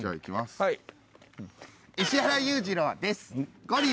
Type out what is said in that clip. はい石原裕次郎ですうん？